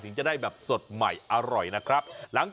จนจะได้สดใหม่อร่อยนะครับ